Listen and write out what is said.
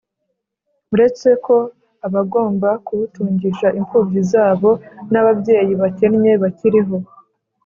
uretse ko abagomba kuwutungisha impfubyi zabo, n’ababyeyi bakennye bakiriho.